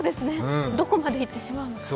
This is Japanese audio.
どこまでいってしまうのか。